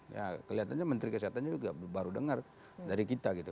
ya kelihatannya menteri kesehatannya juga baru dengar dari kita gitu